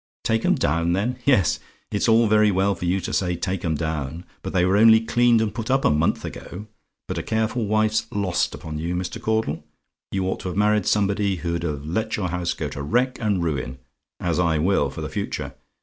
"TAKE 'EM DOWN, THEN? "Yes, it's all very well for you to say take 'em down; but they were only cleaned and put up a month ago; but a careful wife's lost upon you, Mr. Caudle. You ought to have married somebody who'd have let your house go to wreck and ruin, as I will for the future.